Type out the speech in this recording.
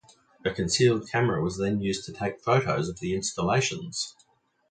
A concealed camera was then used to take photographs of the installations.